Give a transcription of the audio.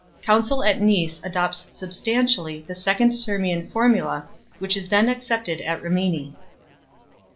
Council at Nice (NtV^) adopts substantially the Second Sirmian Formula, which is then accepted at Rimini.